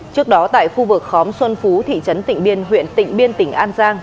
trước đó tại khu vực khóm xuân phú thị trấn tỉnh biên huyện tỉnh biên tỉnh an giang